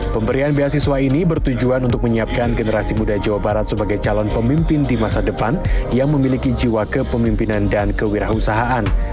pemberian beasiswa ini bertujuan untuk menyiapkan generasi muda jawa barat sebagai calon pemimpin di masa depan yang memiliki jiwa kepemimpinan dan kewirausahaan